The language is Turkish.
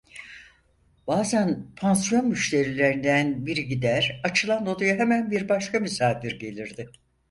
Bazan pansiyon müşterilerinden biri gider, açılan odaya hemen bir başka misafir gelirdi.